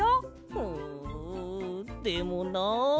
うんでもな。